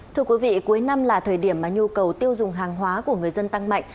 thưa quý vị cuối năm là thời điểm mà nhu cầu tiêu dùng hàng hóa của người dân tăng mạnh